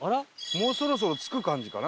もうそろそろ着く感じかな？